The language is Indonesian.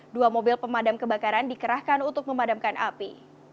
dua mobil pemadam kebakaran dikerahkan untuk memadamkan api